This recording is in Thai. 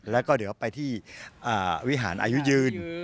แล้วก็เดี๋ยวไปที่วิหารอายุยืน